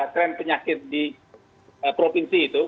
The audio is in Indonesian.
tren penyakit di provinsi itu